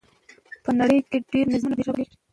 په نړۍ کې ډېر نظامونه بدليږي را بدلېږي .